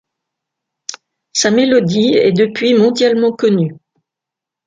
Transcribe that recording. Sa mélodie est depuis mondialement connue.